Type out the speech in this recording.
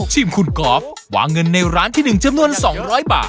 ทีมคุณกอล์ฟวางเงินในร้านที่๑จำนวน๒๐๐บาท